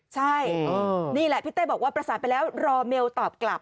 ใช่นี่แหละพี่เต้บอกว่าประสานไปแล้วรอเมลตอบกลับ